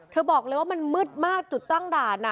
บอกเลยว่ามันมืดมากจุดตั้งด่าน